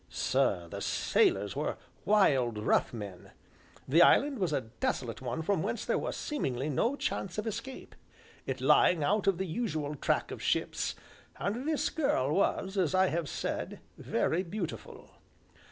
Sir, the sailors were wild, rough men; the island was a desolate one from whence there was seemingly no chance of escape, it lying out of the usual track of ships, and this girl was, as I have said, very beautiful.